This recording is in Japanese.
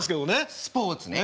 スポーツねえ。